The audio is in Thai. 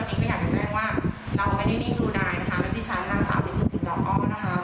แล้วนี่ฉันก็เป็นหนึ่งในทีมงานทุกในนอกด้วยนะคะ